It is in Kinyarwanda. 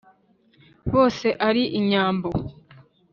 bose ari inyambo